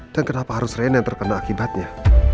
dan kenapa harus rina yang terkena akibatnya